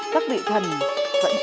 các vị thần vẫn cất nước dạo chơi